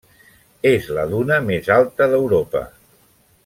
És la duna més alta d'Europa.